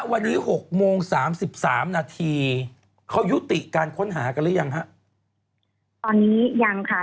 วันนี้หกโมงสามสิบสามนาทีเขายุติการค้นหากันหรือยังฮะตอนนี้ยังค่ะ